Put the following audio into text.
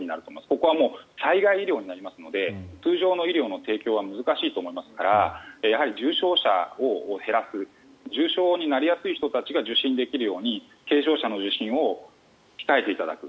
ここは災害医療になりますので通常の医療の提供は難しいと思いますからやはり重症者を減らす重症になりやすい人が受診できるように軽症者の受診を控えていただく。